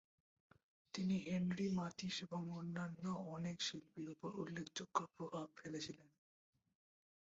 তিনি Henri Matisse এবং অন্যান্য অনেক শিল্পীর উপর উল্লেখযোগ্য প্রভাব ফেলেছিলেন।